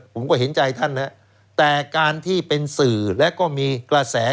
ผมก็เห็นใจท่านนะแต่การที่เป็นสื่อและก็มีกระแส